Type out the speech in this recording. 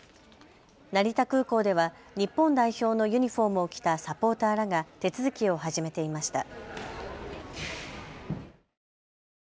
成田空港では日本代表のユニホームを着たサポーターらが手続きを始めていました。